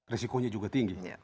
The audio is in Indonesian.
risikonya juga tinggi